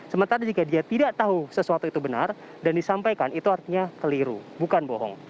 sementara jika dia tidak tahu sesuatu itu benar dan disampaikan itu artinya keliru bukan bohong